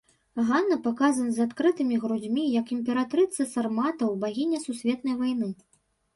Ганна паказана з адкрытымі грудзьмі, як імператрыца сарматаў, багіня сусветнай вайны.